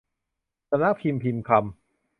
สำนักพิมพ์พิมพ์คำ